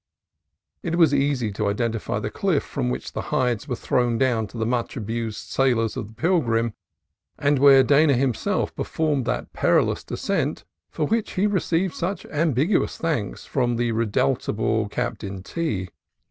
It was easy to identify the cliff from which the hides were thrown down to the much abused sailors of the Pilgrim, and where Dana himself per formed that perilous descent for which he received such ambiguous thanks from the redoubtable Cap tain T.